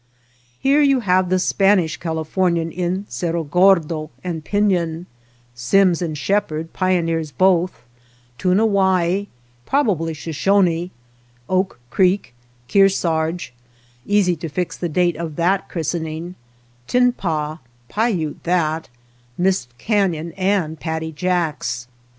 Here you have the Spanish Californian in Ccro Gordo and pinon ; Symmes and Shepherd, pioneers both ; Tunawai, probably Shoshone ; Oak Creek, Kearsarge, — easy to fix the date of that christening, — Tinpah, Paiute that; Mist Carion and Paddy Jack's.